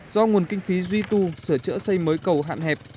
do nguồn kinh phí duy tu sửa chữa xây mới cầu hạn hẹp